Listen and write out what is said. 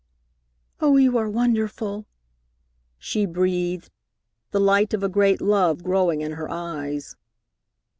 "Oh, you are wonderful!" she breathed, the light of a great love growing in her eyes.